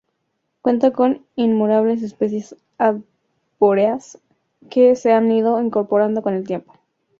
Cuenta con innumerables especies arbóreas que se han ido incorporando con el tiempo.